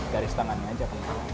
garis tangannya aja